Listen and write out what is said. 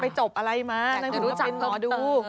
ไปจบอะไรมาเป็นหมอดู